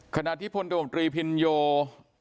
ขณะที่พลโดมตรีพินโย